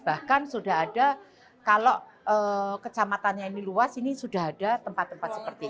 bahkan sudah ada kalau kecamatan yang ini luas ini sudah ada tempat tempat seperti